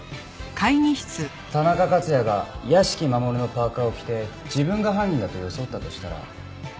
田中克也が屋敷マモルのパーカを着て自分が犯人だと装ったとしたら。